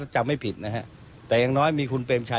เชิญฮะ